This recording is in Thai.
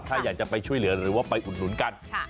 ถ้าอยากจะไปช่วยเหลือหรือว่าไปอุดหนุนกัน